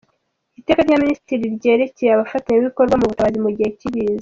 Iteka rya Minisitiri ryerekeye Abafatanyabikorwa mu butabazi mu gihe cy’ibiza;.